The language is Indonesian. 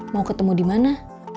mau ketemu dimana